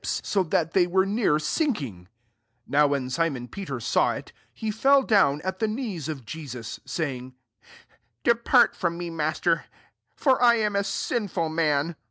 so that die3r were near sinking* 8 Now when Simon Peter saw it, he fell down at the knees of Jesus, saying, « Depart Jrom me, Master, for I am a sinful man."